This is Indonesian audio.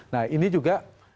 nah ini juga